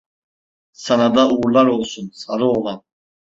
Sana da uğurlar olsun, sarı oğlan!